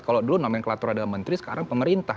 kalau dulu nomenklatur adalah menteri sekarang pemerintah